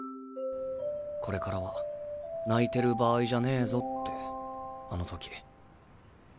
これからは泣いてる場合じゃねえぞってあの時。